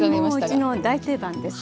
もううちの大定番です。